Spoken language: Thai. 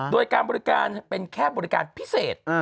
โดยการบริการเป็นแค่บริการพิเศษ